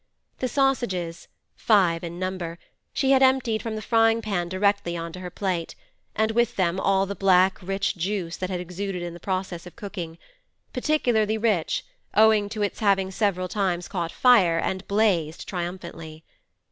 The sausages—five in number—she had emptied from the frying pan directly on to her plate, and with them all the black rich juice that had exuded in the process of cooking—particularly rich, owing to its having several times caught fire and blazed triumphantly.